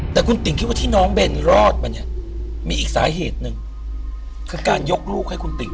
แต่คุณติ๋งคิดว่าที่น้องเบนรอดมาเนี่ยมีอีกสาเหตุหนึ่งคือการยกลูกให้คุณติ่ง